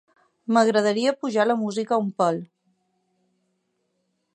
M'agradaria apujar la música un pèl.